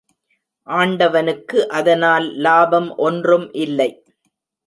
ஆண்டவனுக்கு அதனால் லாபம் ஒன்றும் இல்லை.